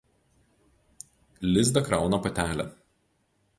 Lizdą krauna patelė.